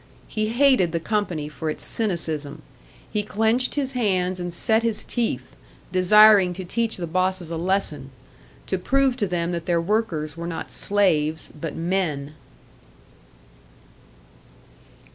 He hated the company for its cynicism, he clenched his hands and set his teeth, desiring to teach the bosses a lesson, to prove to them that their workers were not slaves, but men!